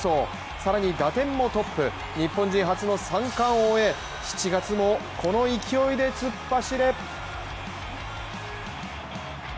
更に打点もトップ、日本人初の三冠王へ７月も、この勢いで突っ走れ！